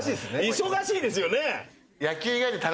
忙しいですよね。